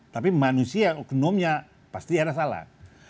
tapi manusia oknumnya pasti ada salah